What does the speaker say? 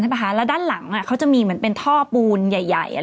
แล้วด้านหลังเขาจะมีเหมือนเป็นท่อปูนใหญ่